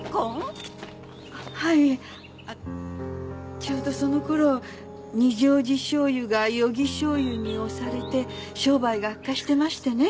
ちょうどそのころ二条路醤油が余木醤油に押されて商売が悪化してましてね。